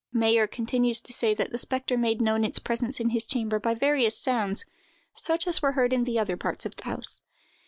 Mayer continues to say that the spectre made known its presence in his chamber by various sounds, such as were heard in the other part of the house.